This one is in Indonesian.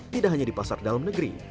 tidak hanya di pasar dalam negeri